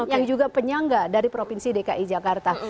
yang juga penyangga dari provinsi dki jakarta